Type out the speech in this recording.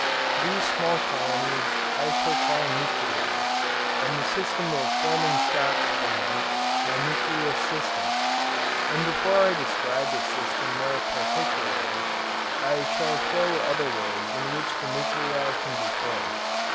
These small colonies I shall call nuclei, and the system of forming stocks from them, my nucleus system; and before I describe this system more particularly, I shall show other ways in which the nuclei can be formed.